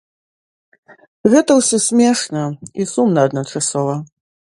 Гэта ўсё смешна і сумна адначасова.